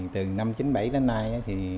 từ năm chín mươi bảy đến nay